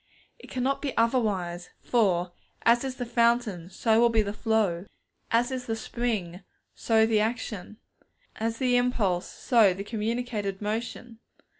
It cannot be otherwise, for as is the fountain, so will be the flow; as the spring, so the action; as the impulse, so the communicated motion.